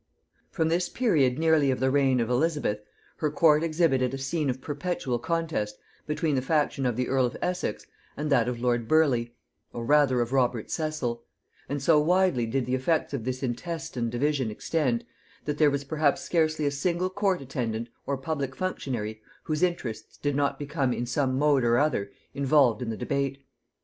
From this period nearly of the reign of Elizabeth, her court exhibited a scene of perpetual contest between the faction of the earl of Essex and that of lord Burleigh, or rather of Robert Cecil; and so widely did the effects of this intestine division extend, that there was perhaps scarcely a single court attendant or public functionary whose interests did not become in some mode or other involved in the debate.